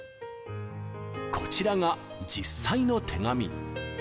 こちらが実際の手紙。